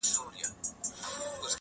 کيسه د ټولني نقد دی ښکاره,